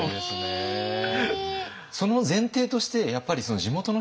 その前提としてやっぱりその地元の人がね